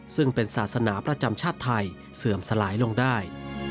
ซึ่งเป็นศาสนาประจำชาติไทยเสื่อมสลายลงได้